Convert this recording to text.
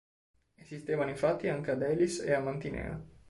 Esistevano infatti anche ad Elis e a Mantinea.